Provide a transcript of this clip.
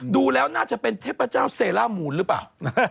ดูแล้วน่าจะเป็นเทพเจ้าเซล่ามูลหรือเปล่า